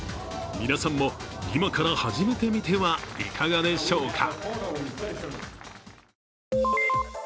皆さんも、今から初めてみてはいかがでしょうか。